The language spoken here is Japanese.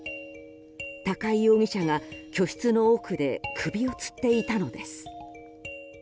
高井容疑者が居室の奥で首をつっていたのです。